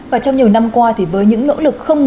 và trong nhiều năm qua thì với những nỗ lực không ngừng